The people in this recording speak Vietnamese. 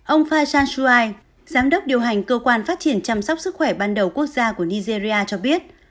ông fajan shuai giám đốc điều hành cơ quan phát triển chăm sóc sức khỏe ban đầu quốc gia của nigeria cho biết